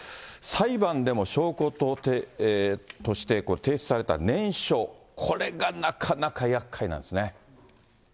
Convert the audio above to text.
裁判でも証拠として提出された念書、これがなかなかやっかいなんですね。